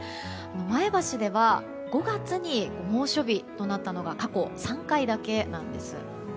前橋では５月に猛暑日となったのが過去３回だけなんです。